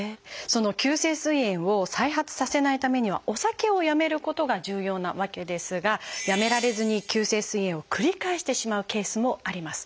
その急性すい炎を再発させないためにはお酒をやめることが重要なわけですがやめられずに急性すい炎を繰り返してしまうケースもあります。